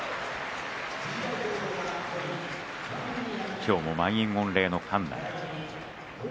今日も満員御礼の館内。